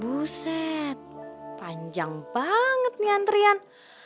weset panjang banget nih antrian